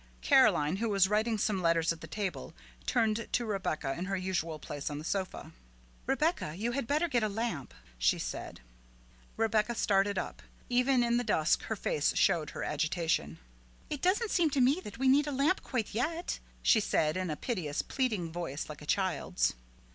Caroline, who was writing some letters at the table, turned to Rebecca, in her usual place on the sofa. "Rebecca, you had better get a lamp," she said. Rebecca started up; even in the dusk her face showed her agitation. "It doesn't seem to me that we need a lamp quite yet," she said in a piteous, pleading voice like a child's.